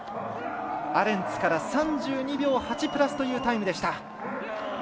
アレンツから３２秒８プラスというタイムでした。